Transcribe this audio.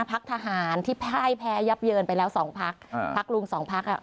พักทหารที่พ่ายแพ้ยับเยินไปแล้วสองพักอ่าพักลุงสองพักอ่ะ